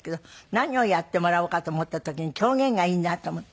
何をやってもらおうかと思った時に狂言がいいなと思って。